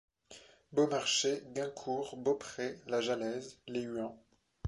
Beaumarchais, Guincourt, Beaupré, la Jalaise, les Huants.